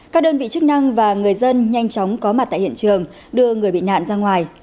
các đơn vị chức năng và người dân nhanh chóng có mặt tại hiện trường đưa người bị nạn ra ngoài